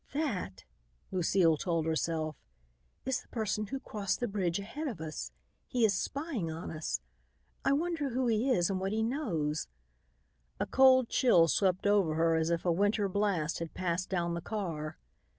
"That," Lucile told herself, "is the person who crossed the bridge ahead of us. He is spying on us. I wonder who he is and what he knows." A cold chill swept over her as if a winter blast had passed down the car.